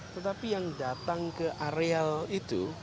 tetapi yang datang ke areal itu